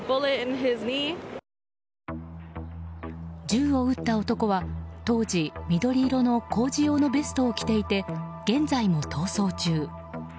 銃を撃った男は、当時緑色の工事用のベストを着ていて現在も逃走中。